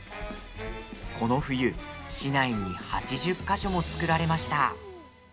この冬、市内に８０か所も作られました。